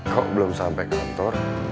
kok belum sampai kantor